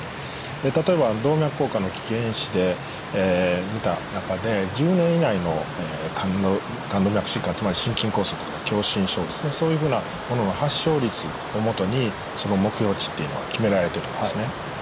例えば動脈硬化の危険因子で見た中で１０年以内の冠動脈疾患つまり心筋梗塞とか狭心症ですねそういうふうなものの発症率を元に目標値っていうのが決められてるんですね。